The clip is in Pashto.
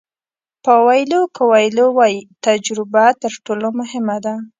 پاویلو کویلو وایي تجربه تر ټولو مهمه ده.